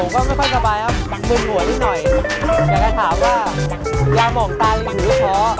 กนะคะผมก็ไม่ค่อยสบายครับ